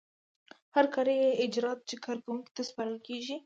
هر کاري اجراات چې کارکوونکي ته سپارل کیږي.